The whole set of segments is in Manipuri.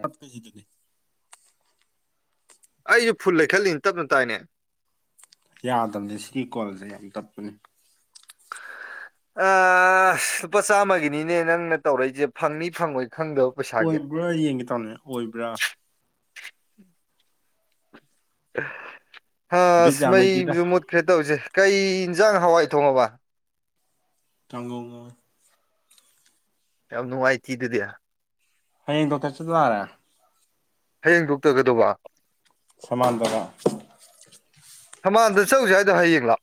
ꯇꯠ ꯀꯩꯁꯤꯗꯗꯒꯤ ꯑꯩꯁꯨ ꯐꯨꯜ ꯂꯩꯈꯠꯂꯤꯅꯤ ꯇꯞꯅ ꯇꯥꯏꯅꯦ ꯌꯥꯗꯕꯅꯦ ꯁꯤꯒꯤ ꯀꯣꯜꯁꯦ ꯌꯥꯝ ꯇꯠꯄꯅꯤ ꯑ ꯂꯨꯄꯥ ꯆꯥꯝꯃꯒꯤꯅꯤꯅꯦ ꯅꯪꯅ ꯇꯧꯔꯛꯏꯁꯦ ꯐꯪꯅꯤ ꯐꯪꯉꯣꯏ ꯈꯪꯗꯕ ꯄꯩꯁꯥꯒꯤ ꯑꯣꯏꯕ꯭ꯔꯥ ꯌꯦꯡꯒꯦ ꯇꯥꯅꯦ ꯑꯣꯏꯕ꯭ꯔꯥ ꯍꯥ ꯕꯤꯠ ꯑꯁ ꯌꯥꯝ ꯂꯩꯇꯦꯗ ꯃꯩꯁꯨ ꯃꯨꯠꯈ꯭ꯔꯦ ꯇꯧꯁꯦ ꯀꯩ ꯏꯟꯖꯥꯡ ꯍꯋꯥꯏ ꯊꯣꯡꯉꯕ ꯇꯉꯒ ꯌꯥꯝ ꯅꯨꯡꯉꯥꯏꯇꯤ ꯑꯗꯨꯗꯤ ꯍꯌꯦꯡꯗꯣ ꯇ ꯆ ꯔꯦ ꯍꯌꯦꯡ ꯊꯣꯛꯣꯛꯇꯒꯗꯧꯕ ꯁꯃꯥꯡꯗꯔ ꯊꯃꯜꯗ ꯆꯠꯂꯎꯁꯦ ꯍꯥꯏꯗꯣ ꯍꯌꯦꯡ ꯂꯥꯛ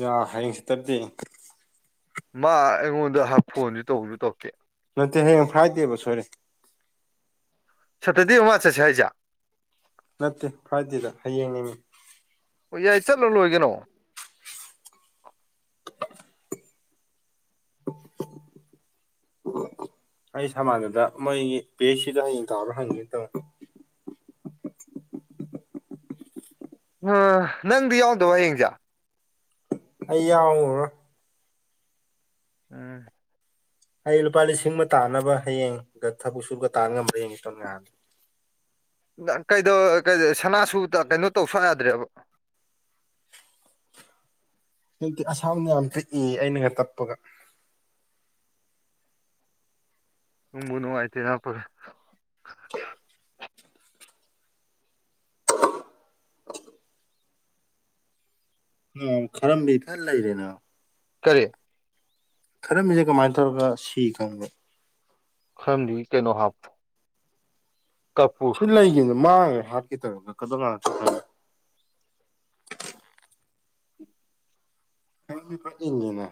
ꯌꯥ ꯍꯌꯦꯡꯁꯤ ꯇꯗꯤ ꯃꯥ ꯑꯩꯉꯣꯟꯗ ꯐꯣꯟꯁꯨ ꯇꯧꯕꯁꯨ ꯇꯧꯀꯦ ꯅꯠꯇ ꯍꯌꯦꯡ ꯐ꯭ꯔꯥꯏꯗꯦꯕ ꯁꯔꯦ ꯁꯠꯇꯗꯤ ꯃꯥꯁꯦꯁꯦ ꯍꯥꯏꯖ ꯅꯠꯇꯦ ꯐꯗꯦꯗ ꯍꯌꯦꯡꯅꯤꯉ ꯑꯣ ꯌꯥꯏ ꯆꯠꯂꯣ ꯂꯣꯏ [inaudible] [inaudible] ꯑꯩ ꯁꯃꯥꯟꯅꯗ ꯃꯣꯏꯒꯤ ꯄꯦꯁꯁꯤꯗ ꯍꯌꯦꯡ ꯇꯥꯎꯔ ꯍꯪꯉꯅꯤ ꯇꯣ [inaudible] ꯎ ꯅꯪꯗꯤ ꯌꯥꯎꯗꯕ ꯍꯌꯦꯡꯁꯦ ꯑ ꯌꯥ ꯎꯝ ꯑꯩ ꯂꯨꯄꯥ ꯂꯤꯁꯤꯡ ꯑꯃ ꯇꯥꯅꯕ ꯍꯌꯦꯡ ꯊꯕꯛ ꯁꯨꯔꯒ ꯇꯥ ꯉꯝꯕ꯭ꯔꯥ ꯍꯡꯦ ꯁꯣꯝꯅꯍꯥꯟꯗ ꯀꯩꯗ ꯁꯅꯥꯁꯨ ꯀꯩꯅꯣ ꯇꯧꯁꯨ ꯌꯥꯗ꯭ꯔꯦꯕ [unintelligible] ꯍꯧꯖꯤꯛꯇꯤ ꯑꯁꯥꯝꯅ ꯌꯥꯝ ꯄꯤꯛꯏ ꯑꯩꯅꯒ ꯇꯞꯄꯒ ꯅꯃꯅꯣꯥꯏꯇꯦ ꯅꯄꯒ ꯎ ꯈꯔꯝꯕꯤ ꯊꯜꯂ ꯂꯩꯔꯦꯅ ꯀꯔꯤ ꯈꯔꯝꯃꯤꯁꯦ ꯀꯃꯥꯏꯅ ꯇꯧꯔꯒ ꯁꯤ ꯈꯪꯕꯦ ꯈꯔꯝꯖꯤ ꯀꯩꯅꯣ ꯍꯥꯞ ꯀꯞꯄꯨ ꯁꯤ ꯂꯩꯈꯤꯕꯅꯦ ꯃꯥꯡꯉꯦ ꯍꯥꯠꯈꯤ ꯇꯪꯒ ꯀ ꯀ ꯄꯉꯦꯅꯦ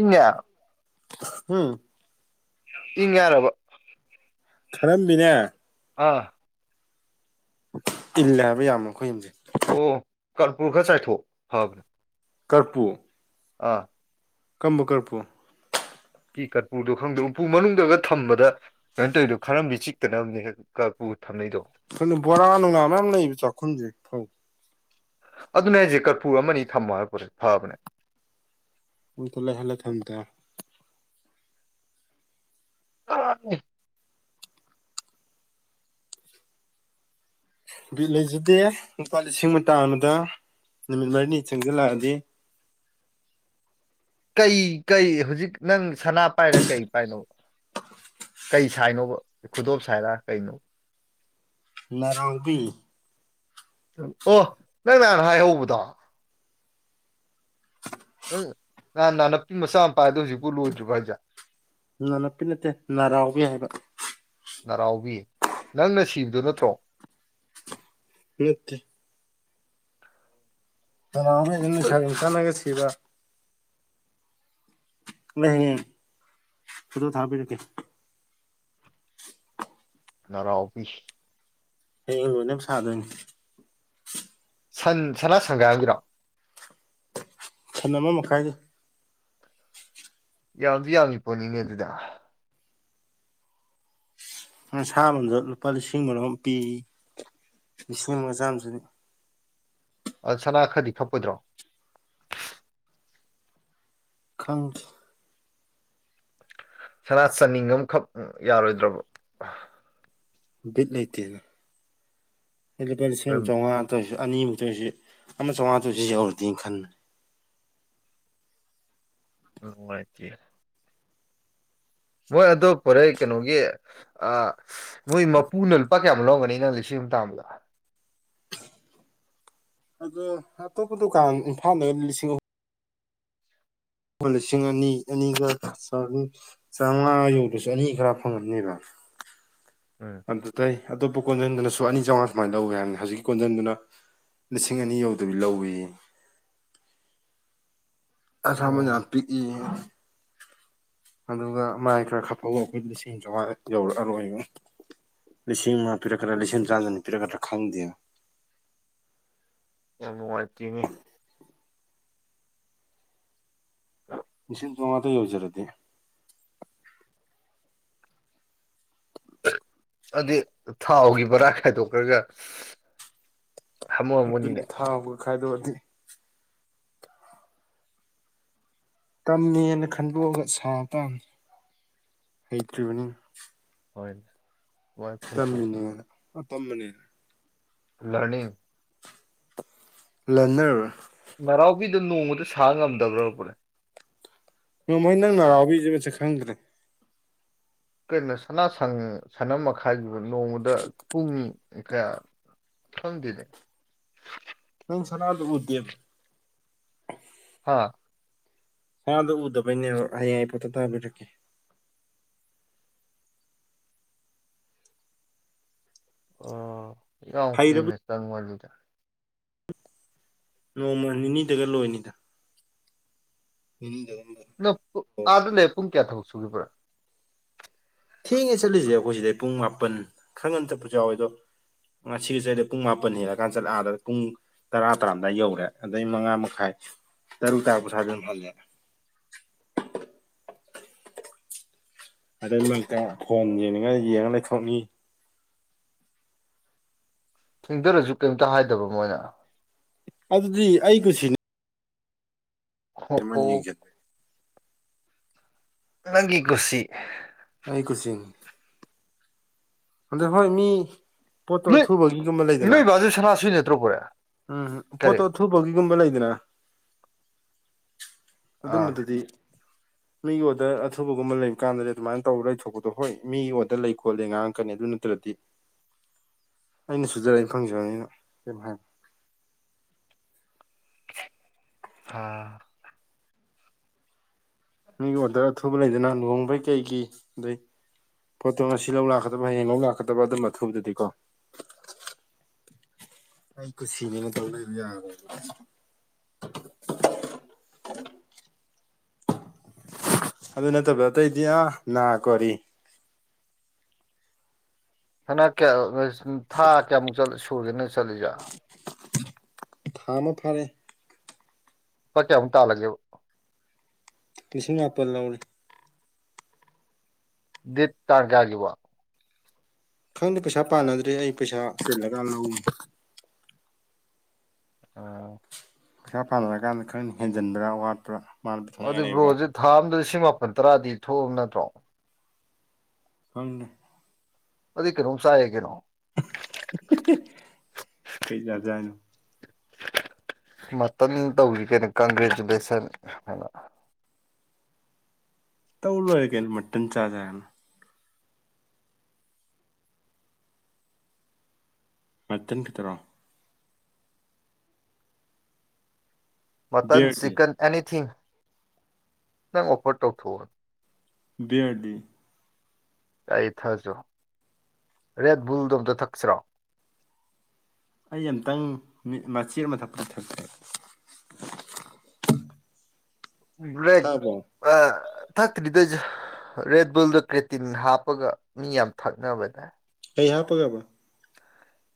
ꯏꯉ ꯎꯝ ꯏ ꯌꯥꯔꯕ ꯈꯔꯝꯕꯤꯅꯦ ꯑꯥ ꯏꯜꯂꯦ ꯍꯥꯏꯕ ꯌꯥꯝꯃꯣ ꯑꯩꯈꯣꯏ ꯑꯁꯦ ꯑꯣ ꯀꯔꯄꯨꯔ ꯈ ꯆꯥꯏꯊꯣꯛ ꯍꯥꯏꯕ꯭ꯔꯦ ꯀꯔꯄꯨ ꯑꯥ ꯀꯝꯕꯀꯔꯄꯨ ꯐꯤ ꯀꯔꯄꯨꯗꯣ ꯈꯪꯗ ꯎꯐꯨ ꯃꯅꯨꯡꯗꯒ ꯊꯝꯕꯗ ꯀꯩꯅꯥꯏꯅ ꯇꯧꯔꯤꯗꯣ ꯈꯔꯕꯤ ꯆꯤꯛꯇꯅꯕꯅꯦ ꯀꯄꯨ ꯣꯏ ꯕꯣꯔꯥ ꯅꯨꯡꯉꯥ ꯃꯌꯥꯝ ꯂꯩꯕ ꯆꯥꯛꯈꯨꯝꯁꯦꯧ ꯑꯗꯨꯅ ꯑꯩꯁꯦ ꯀꯔꯐꯨ ꯑꯃꯅꯤ ꯊꯝꯃꯣ ꯍꯥꯏꯕꯔ ꯐꯕꯅꯦ ꯑꯗꯨꯇꯂꯦ ꯍꯂꯦ ꯊꯦꯝꯇ ꯑ ꯕꯤꯠ ꯂꯩꯖꯗꯦ ꯂꯨꯄꯥ ꯂꯤꯁꯤꯡ ꯑꯃꯥꯡ ꯑꯃꯗ ꯅꯨꯃꯤꯠ ꯃꯅꯤ ꯆꯪꯒꯂꯗꯗꯤ ꯀꯩ ꯀꯩ ꯍꯧꯖꯤꯛ ꯅꯪ ꯁꯅꯥ ꯄꯥꯏꯔꯦ ꯀꯩ ꯄꯥꯏꯅꯣ ꯀꯩ ꯁꯥꯏꯅꯣꯕ ꯈꯨꯗꯣꯞ ꯁꯥꯏꯔꯥ ꯀꯩꯅꯣ ꯂꯔꯥꯡꯕꯤ ꯑꯣ ꯅꯪ ꯅꯍꯥꯟ ꯍꯥꯏꯍꯧꯕꯗꯣ ꯅꯍꯥꯟ ꯅꯅꯥꯟꯅꯄꯤ ꯃꯆꯥ ꯃꯄꯥꯥꯏꯗꯣ ꯍꯧꯖꯤꯛꯄꯨ ꯂꯣꯏꯗ꯭ꯔꯤꯕ ꯍꯥꯏꯁꯦꯠ ꯅꯥ ꯅꯄꯤ ꯅꯠꯇꯦ ꯅꯥꯔꯥꯎꯕ ꯌꯥ ꯍꯥꯏꯕ ꯅꯔꯥꯎꯕꯤ ꯅꯪꯅ ꯁꯤꯕꯗꯨ ꯅꯠꯇ꯭ꯔꯣ ꯅꯠꯇ ꯅꯥ ꯏ ꯁ ꯏ ꯀꯅꯒ ꯁꯤꯗ ꯑꯗꯨꯗ ꯊꯥꯕꯤꯔꯛꯀꯦ ꯅꯔꯥ ꯑꯣꯐꯤꯁ ꯍꯌꯦ ꯂꯣꯏꯅꯦ ꯁꯥꯗꯅꯤ ꯁꯟ ꯁꯅꯥ ꯁꯪꯒꯥꯏꯥꯡꯕꯤꯔꯣ ꯁꯟ ꯑꯃ ꯃꯈꯥꯏꯗ ꯌꯥꯝꯁꯨ ꯌꯥꯝꯃꯤꯄꯣꯅꯤꯅꯦ ꯑꯗꯨꯗ ꯁꯥ ꯑꯃꯗ ꯂꯨꯄꯥ ꯂꯤꯁꯤꯡ ꯃꯔꯣꯝ ꯄꯤ ꯏꯁꯤꯡ ꯃ ꯆꯁꯤꯅꯤ ꯑ ꯁꯅꯥ ꯈꯔꯗꯤ ꯈꯞꯄꯨꯗ꯭ꯔꯣ ꯈꯪ ꯁꯅꯥ ꯆꯥꯅꯤꯡꯕ ꯑꯃꯈꯛ ꯌꯥꯔꯣꯏꯗ꯭ꯔꯕ ꯕꯤꯠ ꯂꯩꯇꯦꯅ ꯏꯂꯤꯕ ꯂꯤꯁꯤꯡ ꯑꯃ ꯆꯥꯝꯃꯉꯥ ꯅꯗꯁꯨ ꯑꯅꯤꯃꯨꯛꯇꯣꯏꯁꯤ ꯑꯃ ꯆꯥꯝꯃꯉꯥ ꯇꯣꯏꯁꯤ ꯌꯧꯔꯗꯦꯅ ꯈꯟꯂ ꯎꯝ ꯃꯠꯇ ꯃꯣꯏ ꯑꯗꯣ ꯐꯣꯔꯦꯟ ꯀꯩꯅꯣꯒꯤ ꯃꯣꯏ ꯃꯄꯨꯅ ꯂꯨꯄꯥ ꯀꯌꯥꯝ ꯂꯧꯒꯅꯤ ꯅꯪ ꯂꯤꯁꯤꯡ ꯇ ꯑꯃꯂ ꯑ ꯑꯇꯣꯞꯄ ꯗꯨꯀꯥꯟ ꯏꯝꯐꯥꯜꯗꯒ ꯂꯤꯁꯤꯡ ꯑꯍꯨꯝ ꯑꯃ ꯂꯤꯁꯤꯡ ꯑꯅꯤ ꯑꯅꯤꯒ ꯆꯥꯝꯃꯉꯥ ꯌꯧꯗꯁꯨ ꯑꯅꯤ ꯈꯔ ꯐꯪꯒꯅꯦꯕ [inaudible] ꯎꯝ ꯑꯝꯇ ꯇꯩ ꯑꯇꯣꯞꯄ ꯀꯣꯟꯖꯟꯗꯨꯅꯁꯨ ꯑꯅꯤ ꯆꯥꯝꯃꯉꯥ ꯁꯨꯃꯥꯏꯅ ꯂꯧꯋꯦ ꯍꯥꯏꯕꯅꯤ ꯍꯧꯖꯤꯛꯀꯤ ꯀꯣꯟꯖꯟꯗꯨꯅ ꯂꯤꯁꯤꯡ ꯑꯅꯤ ꯌꯧꯗꯕꯤ ꯂꯧꯋꯤꯌꯦ [inaudible] ꯑꯃꯅ ꯑꯣ ꯄꯤꯛꯏ [inaudible] ꯑꯗꯨꯒ ꯃꯥꯏ ꯈꯔ ꯈꯐꯧꯕ ꯑꯩꯈꯣꯏ ꯂꯤꯁꯤꯡ ꯆꯥꯝꯃꯉꯥ ꯌꯧꯔꯛꯑꯔꯣꯏꯕ ꯂꯤꯁꯤꯡ ꯄꯤꯔ ꯀ ꯂꯤꯁꯤꯡ ꯆꯥꯗꯅꯤ ꯄꯤꯔ ꯀ ꯈꯪꯗꯦ ꯌꯥꯝ ꯅꯨꯡꯉꯥꯏꯇꯅꯦ ꯏꯁꯤꯡ ꯇꯣꯉꯇ ꯌꯧꯖꯔꯗꯤꯦ ꯑꯗꯨ ꯊꯥꯎꯒꯤ ꯕꯔꯥ ꯈꯥꯏꯗꯣꯛꯈ꯭ꯔꯒ ꯑꯗꯨꯅꯤ ꯍꯥꯃꯝꯃꯅꯤꯅꯦ ꯊꯥꯎꯒ ꯈꯥꯏꯗꯣꯛꯑꯗꯤ ꯇꯝꯃꯦꯅ ꯈꯟꯗꯣꯛꯑꯒ ꯁꯥ ꯇꯥꯝꯅꯤ ꯍꯩꯇ꯭ꯔꯤꯕꯅꯤꯅꯥ ꯍꯣꯏꯅꯦ ꯋꯥꯏ ꯈꯟꯇꯣꯛ ꯇꯝꯃꯤꯅ‌ꯦꯅꯥ ꯑꯥꯇꯝꯕꯅ‌ꯦ ꯍꯜꯂꯛꯑꯅꯤ ꯂꯥ꯭ꯔꯟꯅ꯭ꯔ ꯅꯅꯥꯎꯕꯤꯗ ꯅꯣꯡꯃꯗ ꯁꯥ ꯉꯝꯗꯕ꯭ꯔ ꯚꯥꯏ ꯅꯣꯡꯃꯩ [inaudible] ꯅꯪ ꯅꯅꯥꯎꯕꯤꯁꯦ ꯃꯁꯛ ꯈꯪꯗ꯭ꯔꯦ ꯀꯩꯅꯣ ꯁꯅꯥ ꯁꯟ ꯁꯟ ꯑꯃꯥ ꯃꯈꯥꯏ ꯅꯣꯡꯃꯗ ꯄꯨꯡ ꯀꯌꯥ ꯈꯪꯗ‌ꯦꯅ‌ꯦ ꯅꯪ ꯁꯥꯅꯥ ꯗꯨꯕꯨ ꯎꯗ‌ꯦ ꯍꯥ ꯁꯥꯅꯥꯗ‌ꯣ ꯎꯗꯕꯩꯅꯦꯕ ꯍꯌꯦꯡ ꯑꯩ ꯐ‌ꯣꯇ‌ꯣ ꯊꯥꯕꯤꯔꯛꯀꯦ ꯑꯣ ꯌꯥꯝ ꯍꯩꯔꯕ ꯀꯨꯏꯅꯥ ꯆꯪꯃꯜꯂꯤꯗ ꯅꯣꯡꯃ ꯅꯤꯅꯤꯗꯒ ꯂꯣꯏꯅꯤꯗ ꯄꯤꯅꯤꯡꯗ‌ꯦꯍ‌ꯦ ꯅꯪ ꯑꯥꯗ ꯂꯩꯔ ꯄꯨꯡ ꯀꯌꯥ ꯊꯕꯛ ꯁꯨꯒ‌ꯦꯕ ꯊꯦꯡꯉꯦ ꯆꯠꯂꯤꯁꯦ ꯑꯩꯈꯣꯏ ꯁꯤꯗꯩ ꯄꯨꯡ ꯃꯥꯄꯟ ꯈꯔ ꯉꯟꯅ ꯆꯠꯄꯁꯨ ꯌꯥꯎꯋꯦ ꯑꯗꯣ ꯉꯥꯁꯤꯒꯤ ꯆꯠꯂꯤꯗ‌ꯣ ꯄꯨꯡ ꯃꯥꯄꯟ ꯍꯦꯜꯂꯀꯥꯟ ꯆꯠꯂ‌ꯦ ꯑꯗ ꯄꯨꯡ ꯇꯔꯥ ꯇꯔꯥꯝꯗꯥꯏ ꯌꯧꯔꯦ ꯑꯗꯩ ꯃꯉꯥ ꯃꯈꯥꯏ ꯇꯔꯨꯛ ꯇꯥꯔꯛꯄꯥ ꯁ꯭ꯋꯥꯏꯗ ꯁꯨꯝ ꯍꯜꯂ‌ꯦ [inaudible] ꯑꯗꯩ ꯃꯔꯛꯇꯥ ꯐꯣꯟ ꯌꯦꯅꯤꯡꯉꯥ ꯌꯦꯡ ꯂꯩꯊꯣꯛꯉꯤ ꯊꯦꯡꯊꯔꯁꯨ ꯀꯩꯝꯇ ꯍꯥꯏꯗꯕ ꯃꯣꯏꯅ ꯑꯗꯨꯗꯤ ꯑꯩ ꯀꯨꯁꯤꯅꯦ ꯍ‌ꯣ ꯑ‌ꯣ ꯌꯦꯡꯁꯤꯟꯕ ꯅꯪꯒꯤ ꯀꯨꯁꯤ ꯑꯩ ꯀꯨꯁꯤ ꯑꯗꯣ ꯍꯣꯏ ꯃꯤ ꯄ‌ꯣꯠꯇ‌ꯣ ꯅꯣꯏ ꯑꯊꯨꯕꯒꯤ ꯒꯨꯝꯕ ꯂꯩꯗꯅ ꯅꯣꯏ ꯕꯥꯁꯨ ꯁꯅꯥ ꯁꯨꯏ ꯅꯠꯇ꯭ꯔꯣ ꯄꯨꯔꯦ ꯎꯝ ꯄꯣꯠꯇꯣ ꯀꯔꯤ ꯑꯊꯨꯕꯒꯤꯒꯨꯝꯕ ꯂꯩꯗꯅ ꯑꯥ ꯑꯗꯨꯝꯕꯗꯨꯗꯤ ꯃꯤ ꯑꯣꯗ꯭ꯔ ꯑꯊꯨꯕꯒꯨꯝꯕ ꯂꯩꯕ ꯀꯥꯟꯗꯗꯤ ꯑꯗꯨꯃꯥꯏꯅ ꯇꯧꯔ ꯂꯩꯊꯣꯛꯄꯗꯣ ꯍꯣꯏ ꯃꯤ ꯑꯣꯗ꯭ꯔ ꯂꯩ ꯈꯣꯠꯂꯦ ꯉꯥꯡ ꯀꯅꯤ ꯑꯗꯨ ꯅꯠꯇ꯭ꯔꯗꯤ ꯑꯩꯅ ꯁꯨꯖꯔꯥ ꯑꯩꯅꯥ ꯐꯪꯖꯕꯅꯤꯅ ꯀꯩꯝ ꯍꯥꯏꯔ‌ꯣꯏ ꯑꯥ ꯃꯤꯒꯤ ꯑꯣꯔꯗ꯭ꯔ ꯑꯊꯨꯕ ꯂꯩꯗꯅ ꯂꯨꯍꯣꯡꯕꯩ ꯀꯩꯒꯤ ꯑꯗꯨꯏ ꯄꯣꯠꯇꯣ ꯉꯁꯤ ꯂꯧ ꯂꯥꯛꯀꯗꯕ ꯍꯌꯦꯡ ꯂꯧ ꯂꯥꯛꯀꯗꯕ ꯑꯗꯨꯝꯕ ꯑꯊꯨꯕꯗꯨꯗꯤꯀꯣ ꯑꯩ ꯀꯨꯁꯤ ꯅ‌ꯦꯅꯥ ꯇꯧ ꯌꯥꯔ‌ꯣꯏꯕ [unintelligible] [inaudible] ꯑꯗꯨ ꯅꯠꯇꯕ ꯑꯇꯩꯗꯤ ꯑꯥ ꯅꯥ ꯀꯣꯔꯤ ꯍꯟꯗꯛꯀ [unintelligible] ꯀꯌꯥ ꯅ‌ꯣꯏ ꯊꯥ ꯀꯌꯥꯃꯨꯛ ꯆꯠꯂ‌ꯦ ꯁꯨꯒꯦ ꯅ‌ꯣꯏ ꯆꯠꯂꯤꯖꯦ ꯊꯥ ꯑꯃ ꯐꯔꯦ ꯂꯨꯄꯥ ꯀꯌꯥꯃꯨꯛ ꯇꯥꯜꯂꯒꯦꯕ ꯂꯤꯁꯤꯡ ꯃꯥꯄꯜ ꯂꯧꯔ‌ꯦ ꯗꯠ ꯇꯥꯡ ꯀꯌꯥꯒꯤꯕꯨ ꯈꯪꯗꯦ ꯄꯩꯁꯥ ꯄꯥꯟꯅꯗ꯭ꯔꯤ ꯑꯩ ꯄꯩꯁꯥ ꯆꯤꯜꯂ ꯀꯥꯟꯗ ꯂꯧꯒ‌ꯦꯅꯥ ꯑꯥ ꯄꯩꯁꯥ ꯄꯥꯅꯥꯔꯀꯥꯟꯗ ꯈꯪꯅꯤ ꯍꯦꯟꯖꯟꯕ꯭ꯔꯥ ꯋꯥꯠꯄ꯭ꯔꯥ ꯃꯥꯅ ꯑꯗꯨ ꯄꯤꯊꯣꯛꯅꯤꯡꯉꯥꯏ ꯂꯩꯕ꯭ꯔꯥ ꯕ꯭ꯔꯣꯁꯦ ꯊꯥ ꯑꯝꯗ ꯂꯤꯁꯤꯡ ꯃꯥꯄꯜ ꯇꯔꯥꯗꯤ ꯊꯣꯛꯑꯕ ꯅꯠꯇ꯭ꯔꯣ ꯑꯪ ꯑꯗꯨꯗꯤ ꯀꯩꯅꯣꯝ ꯆꯥ ꯌꯥꯏ ꯀꯩꯅꯣ ꯀꯩ ꯆꯖ ꯍꯥꯏꯅꯣ ꯃꯇꯝ ꯇꯧꯈꯤ ꯀꯩꯅꯣ ꯀꯪꯒ꯭ꯔꯦꯆꯨꯂꯦꯁꯟ ꯍꯥꯏꯅ ꯇꯧ ꯂꯣꯏꯔꯦ ꯀꯩꯅꯩꯅꯣ ꯃꯇꯝꯟ ꯆꯥꯖꯥꯔꯅ ꯃꯠꯇꯟ ꯈꯈꯤꯇꯔꯣ ꯃꯇꯟ ꯕꯤꯌꯔꯗꯤ ꯆꯤꯛꯀꯟ ꯑꯦꯅꯤꯊꯤꯡ ꯅꯪ ꯑꯣꯐꯔ ꯇꯧꯊꯣꯛꯎ ꯕꯤ ꯑꯩ ꯊꯥꯁꯨ ꯔꯦꯠ ꯕꯨꯜꯗꯣ ꯑꯝꯇ ꯊꯛꯁꯤꯔꯣ ꯑꯩ ꯑꯃꯨꯇꯪ ꯃꯆꯦ ꯃꯊꯛꯛꯇ ꯊꯆꯦ ꯭ꯂ ꯑ [unintelligible] ꯊꯛꯇ꯭ꯔꯤꯗꯁꯨ ꯔꯦꯠ ꯕꯜꯗ ꯀ꯭ꯔꯦꯇꯤꯟ ꯍꯥꯞꯄꯒ ꯃꯤ ꯌꯥꯝ ꯊꯛꯅꯕꯅꯦ ꯑꯩ ꯍꯥꯞꯄꯒꯕ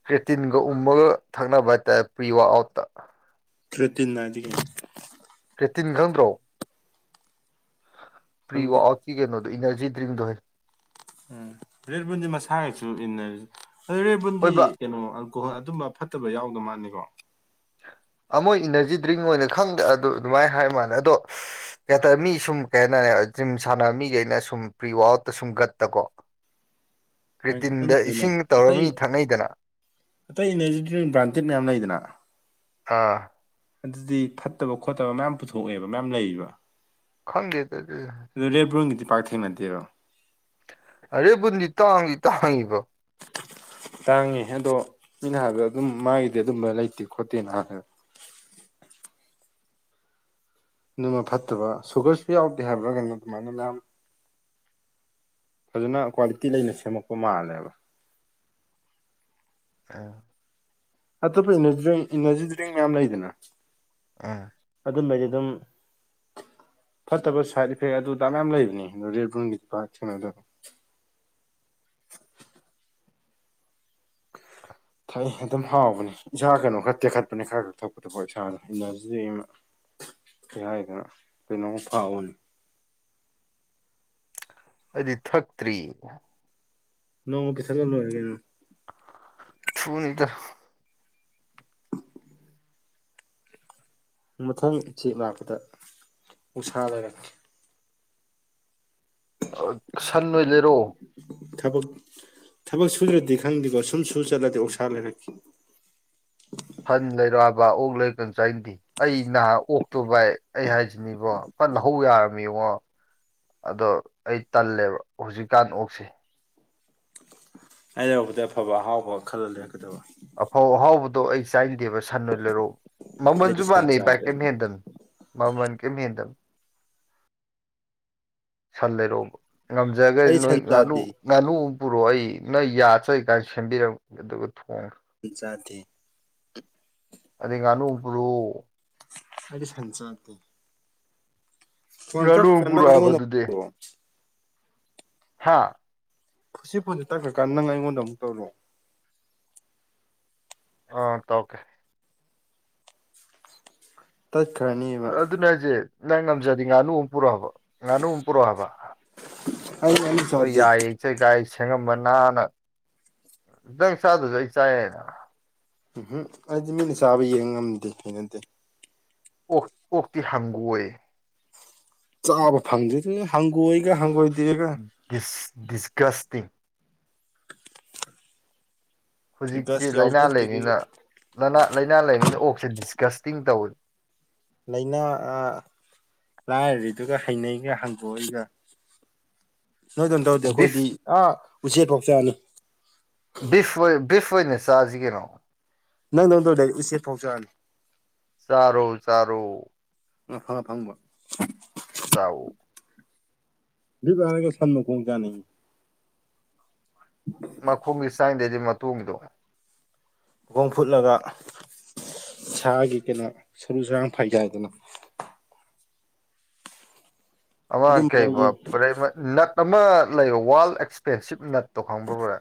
ꯀ꯭ꯔꯦꯇꯤꯟꯒ ꯎꯝꯃꯒ ꯊꯛꯅꯕ ꯍꯥꯏꯇꯥꯔꯦ ꯄ꯭ꯔꯤꯋꯥ ꯑꯥꯎꯠꯇ ꯀ꯭ꯔꯤꯇꯤꯟ ꯏꯒ ꯀ꯭ꯔꯤꯇꯤꯟ ꯈꯪꯗ꯭ꯔꯣ ꯄ꯭ꯔꯤ ꯈꯪꯗꯦ ꯋꯥ ꯀꯅꯣ ꯏꯅꯔꯖꯤ ꯗ꯭ꯔꯤꯛꯗꯣꯏ ꯎꯝ ꯔꯦꯠꯕꯨꯟꯗꯤ ꯃꯁꯥꯒꯁꯨ ꯏꯟꯅꯔꯤꯁꯦ ꯑꯗꯨ ꯔꯦꯠꯕꯨꯟꯗꯤ ꯍꯣꯏꯕ ꯀꯩꯅꯣ ꯀꯣꯍ ꯑꯗꯨꯝꯕ ꯐꯠꯇꯕ ꯌꯥꯎꯗ ꯃꯥꯅꯤꯀꯣ [unintelligible] [inaudible] ꯑꯃꯣꯏ ꯏꯅꯔꯖꯤ ꯗ꯭ꯔꯤꯡ ꯑꯣꯏꯅ ꯈꯪꯗ꯭ꯔ ꯑꯗꯨ ꯑꯗꯨꯃꯥꯏꯅ ꯍꯥꯏ ꯃꯥꯜꯦ ꯑꯗꯣ ꯀꯩ ꯍꯥꯏꯇꯥꯔꯦ ꯃꯤ ꯁꯨꯝ ꯀꯩ ꯍꯥꯏꯇꯥꯔ ꯖꯤꯝ ꯁꯥꯟꯅꯕ ꯃꯤꯈꯩꯅ ꯁꯨꯝ ꯄ꯭ꯔꯤ ꯋꯥꯔꯠꯇ ꯁꯨꯝ ꯒꯠꯇꯀꯣ ꯀ꯭ꯔꯦꯇꯤꯟꯗ ꯩꯅꯅꯦ ꯏꯁꯤꯡ ꯑ ꯇꯧꯔ ꯃꯤ ꯊꯛꯅꯩꯗꯅ [unintelligible] [inaudible] ꯑꯇꯩ ꯏꯅꯔꯖꯤꯦꯜ ꯕ꯭ꯔꯥꯟꯇꯦꯠ ꯃꯌꯥꯝ ꯂꯩꯗꯅ ꯑꯥ ꯑꯗꯨꯗꯤ ꯐꯠꯇꯕ ꯈꯣꯠꯇꯕ ꯃꯌꯥꯝ ꯄꯨꯊꯣꯛꯑꯦꯕ ꯃꯌꯥꯝ ꯂꯩꯌꯦꯕ ꯈꯪꯗ ꯇ ꯄꯥꯛꯊꯦꯡꯅꯗꯦꯔꯣ ꯑꯔꯦꯕꯨꯟꯗꯤ ꯇꯥꯡꯏꯤ ꯇꯥꯡꯉꯤꯕꯣ ꯇꯥꯡꯉꯦ ꯑꯗꯣ ꯃꯤ ꯅꯍꯥꯟꯥꯟꯕꯗ ꯑꯗꯨꯝ ꯃꯥꯒꯤꯗꯤ ꯑꯗꯨꯝꯕ ꯂꯩꯇꯦ ꯈꯣꯠꯇꯦ ꯅꯍꯥꯟꯗ [unintelligible] [inaudible] ꯑꯗꯨꯃ ꯐꯠꯇꯕ ꯁꯨꯒꯔꯁꯨ ꯌꯥꯎꯗꯦ ꯍꯥꯏꯕ꯭ꯔꯥ ꯀꯩꯅ ꯑꯗꯨꯃꯥꯏꯅ ꯃꯌꯥꯝ ꯐꯖꯅ ꯀ꯭ꯋꯥꯂꯤꯇꯤ ꯂꯩꯅ ꯁꯦꯝꯃꯛꯄ ꯃꯥꯜꯂꯦꯕ ꯑꯥ ꯑꯇꯣꯞꯄ ꯏꯅꯔꯖꯤ ꯗ꯭ꯔꯤꯡ ꯃꯌꯥꯝ ꯂꯩꯗꯅ ꯑꯥ ꯑꯗꯨꯨꯝꯕꯗꯤ ꯑꯗꯨꯝ [unintelligible] ꯐꯠꯇꯕ ꯁꯥꯏꯠ ꯏꯐꯦꯛ ꯑꯗꯨꯗ ꯃꯌꯥꯝ ꯂꯩꯕꯅꯦ ꯑꯗꯨꯕꯟꯒꯤ ꯄ ꯁꯣꯗ [unintelligible] ꯑ ꯊꯛ ꯑꯗꯨꯝ ꯍꯥꯎꯕꯅꯤ ꯏꯁꯥ ꯀꯩꯅꯣ ꯈꯔ ꯇꯦꯛꯈꯠꯄꯅꯤ ꯈꯔ ꯈ ꯊꯛꯄꯗꯀꯣ ꯏꯁꯥꯅ ꯏꯅꯔꯖꯤ ꯀꯥꯏꯗꯅ ꯀꯩꯅꯣꯝ ꯐꯥꯎꯕꯅꯤ ꯑꯩꯗꯤ ꯊꯛꯇ꯭ꯔꯤ ꯅ ꯄꯩꯁꯂ ꯂꯣꯏꯔꯒꯅ ꯊꯨꯡꯅꯤꯗ ꯃꯊꯪ ꯏꯆꯦ ꯂꯥꯛꯄꯗ ꯎꯁꯥꯂꯒꯅꯤ ꯁꯟ ꯑꯣꯏ ꯂꯩꯔꯣ ꯊꯕꯛ ꯊꯕꯛ ꯁꯨꯗ꯭ꯔꯗꯤ ꯈꯪꯗꯦꯀꯣ ꯁꯨꯝ ꯁꯨ ꯆꯠꯂꯗꯤ ꯑꯣꯁꯥ ꯂꯩꯔꯛꯈꯤ [unintelligible] ꯁꯟ ꯂꯩꯔꯣꯕ ꯑꯣꯛ ꯂꯩꯔ ꯀ ꯆꯥꯏꯅꯗꯦ ꯑꯩ ꯅꯍꯥꯛ ꯑꯣꯛꯇꯣ ꯚꯏ ꯑꯩ ꯍꯥꯏꯁꯤꯅꯦꯕꯣ ꯐꯠ ꯂꯧꯍꯧ ꯌꯥꯔꯝ ꯌꯦꯡꯉꯣ ꯑꯗꯣ ꯑꯩ ꯇꯜꯂꯦꯕ ꯍꯧꯖꯤꯛꯀꯥꯟ ꯑꯣꯛꯁꯦ ꯑꯩ ꯂꯩꯔꯕꯗ ꯑꯐꯕ ꯑꯍꯥꯎꯕ ꯈꯜꯍꯜꯂꯦ ꯑꯐꯥꯎ ꯑꯍꯥꯎꯕꯗꯣ ꯑꯩ ꯆꯥꯏ ꯗꯦꯕ ꯁꯟꯅ ꯂꯩꯔꯛꯑꯣ ꯑꯩꯗꯤ ꯃꯃꯜꯁꯨ ꯁꯟ ꯃꯥꯟꯅꯩ ꯕꯥꯏ ꯆꯥꯗꯦ ꯀꯩꯝ ꯍꯦꯟꯗꯅ ꯃꯃꯜ ꯀꯩꯝ ꯍꯦꯟꯗꯅ ꯁꯟ ꯂꯩꯔꯣꯕ ꯉꯝꯖꯒ ꯑꯩꯗꯤ ꯅꯣꯏ ꯁꯟ ꯉꯥꯅꯨ ꯆꯥꯗꯦ ꯉꯥꯅꯨ ꯄꯨꯔꯛꯑꯣ ꯑꯩ ꯅꯣꯏ ꯌꯥꯆꯔꯤ ꯀꯥꯏꯅ ꯁꯦꯝꯕꯤꯔꯝ ꯑꯗꯨꯒ ꯊꯣꯡꯈ꯭ꯔꯦ ꯍ ꯆꯥꯗꯦ ꯑꯗꯤ ꯉꯅꯨ ꯏꯕ꯭ꯔ ꯑ ꯁꯁꯥꯇ ꯍꯪꯀ ꯀ ꯉꯥꯅꯨ ꯄꯨꯔꯛꯑꯕ ꯉꯥꯏꯣꯣ ꯍꯥꯥ ꯈꯨꯠꯁꯤ ꯄꯨꯣꯟꯁꯤ ꯇꯛꯈ꯭ꯔꯀꯥꯟꯗ ꯅꯪ ꯑꯩꯉꯣꯟꯗ ꯑꯃꯨꯛ ꯇꯧꯔꯛꯑꯣ ꯑ ꯇ ꯑꯣꯀꯦ ꯇꯠꯈ꯭ꯔꯅꯦꯕ ꯑꯗꯨꯅꯦ ꯍꯥꯏꯁꯦ ꯅꯪ ꯉꯝꯖꯔꯤꯉ ꯉꯥꯅꯨ ꯑꯃꯨꯛ ꯄꯨꯔꯛꯑꯕ ꯉꯥꯅꯨ ꯄꯨꯔꯛꯑꯕ ꯑꯩ ꯑꯃ ꯅꯣꯏ ꯆꯥꯗꯦ ꯌꯥꯏꯌꯦ ꯏꯆꯩ ꯀꯥꯏ ꯁ ꯁꯦꯝꯉꯝꯕꯅ ꯅꯥꯅ ꯇꯪ ꯆꯗꯁꯨ ꯑꯩ ꯆꯥꯏ ꯍꯥꯏꯅ ꯎꯝꯝ ꯑꯩꯗꯤ ꯃꯤꯅ ꯆꯥꯕ ꯌꯦꯡ ꯉꯝꯗꯦ ꯀꯩꯅꯗꯦ ꯑꯣꯛꯇ ꯍꯪꯒꯣꯏ ꯆꯥꯕ ꯐꯪꯗꯦ ꯑꯗꯨ ꯍꯪꯒꯣꯏꯒ ꯍꯪꯒꯣꯏ ꯗꯤꯁꯒꯁꯇ ꯍꯧꯖꯤꯛꯁꯤ ꯗꯁ ꯂꯥꯏꯅꯥ ꯌꯥꯎꯁꯤꯟꯗ꯭ꯔꯤꯗꯨꯒ ꯂꯩꯃꯤꯅ ꯂꯅꯥ ꯂꯥꯏꯅꯥ ꯂꯩꯃꯤꯅ ꯑꯣꯛꯁꯦ ꯗꯤꯁꯀꯁ ꯇꯤꯡ ꯇꯧ ꯂꯥꯏꯅꯥ ꯂꯥꯏꯔꯔꯤꯗꯨ ꯍꯩꯅꯩꯒ ꯍꯥꯡꯗꯣꯛꯏꯒ ꯅꯣꯏꯗꯝ ꯇꯧꯗꯦ ꯑꯩꯈꯣꯏꯗꯤ ꯕꯤꯐ ꯑꯥ ꯎꯆꯦꯛ ꯐꯥꯎ ꯆꯥꯅꯤ ꯕꯤꯐ ꯕꯤꯐ ꯑꯣꯏꯅ ꯆꯥꯁꯤ ꯀꯩꯅꯣ ꯅꯪ ꯅꯪꯗꯧ ꯂꯗꯥꯏ ꯎꯆꯦꯛ ꯐꯥꯎꯖꯅꯤ ꯇꯣ ꯎ ꯐꯉ ꯐꯪꯕ ꯆꯥꯎꯎ ꯕꯔꯒ ꯁꯝꯅꯨ ꯄꯣꯆꯥꯅꯤꯡ ꯃꯈꯨꯝꯒꯤ ꯆꯥꯡꯗꯩꯗꯤ ꯃꯇꯨꯡꯗꯣ ꯃꯈꯣꯡ ꯐꯨꯠꯂꯒ ꯁꯥꯒꯤ ꯀꯩꯅꯣ ꯁꯔꯨ ꯁꯔꯥꯡ ꯐꯥꯏꯖꯥꯏꯗꯅ ꯑꯃ ꯑꯗꯨꯝꯕꯗꯣ ꯌꯦꯡ ꯀꯩꯄꯔꯦ ꯑꯃ ꯂꯩꯔꯣ ꯋꯥꯜ ꯑꯦꯛꯁꯄꯦꯟꯁꯤꯞ ꯅꯠꯇꯣ ꯈꯪꯕꯕ꯭ꯔꯥ